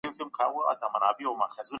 موږ د خپلو ورېښتانو په مینځلو بوخت یو.